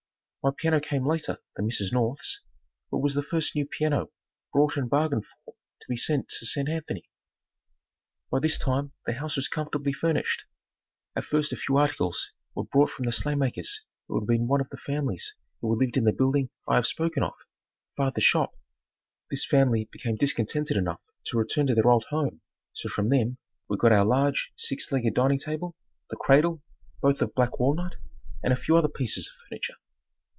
My piano came later than Mrs. North's, but was the first new piano brought and bargained for to be sent to St. Anthony. By this time the house was comfortably furnished. At first a few articles were brought from the Slaymakers who had been one of the families who had lived in the building I have spoken of father's shop. This family became discontented enough to return to their old home so from them we got our large six legged dining table, the cradle, both of black walnut, and a few other pieces of furniture.